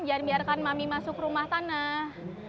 jangan biarkan mami masuk rumah tanah